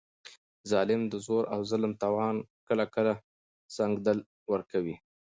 ظالم ته د زور او ظلم توان کله ناکله سنګدلان ورکوي.